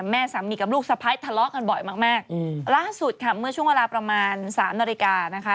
แม่สามีกับลูกสะพ้ายทะเลาะกันบ่อยมากมากล่าสุดค่ะเมื่อช่วงเวลาประมาณสามนาฬิกานะคะ